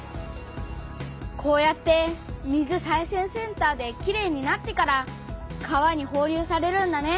こうやって水再生センターできれいになってから川にほう流されるんだね。